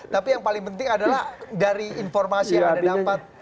tapi yang paling penting adalah dari informasi yang anda dapat